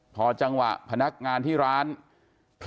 พอจังหวะพนักงานที่ร้าน